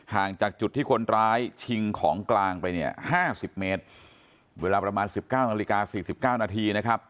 ห่างจากจุดที่คนร้ายชิงของกลางไปเนี่ย๕๐เมตรเวลาประมาณ๑๙นาฬิกา๔๙นาทีนะครับ